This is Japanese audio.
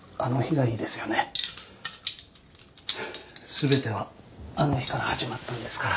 全てはあの日から始まったんですから。